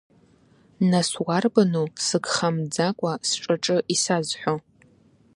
Нас уарбану сыгха мӡакәа сҿаҿы исазҳәо?